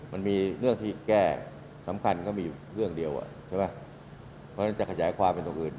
มันมีเรื่องที่แก้สำคัญก็มีอยู่เรื่องเดียวอ่ะใช่ไหมเพราะฉะนั้นจะขยายความเป็นตรงอื่น